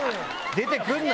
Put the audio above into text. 出て来んな！